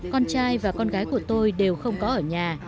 con trai và con gái của tôi đều không có ở nhà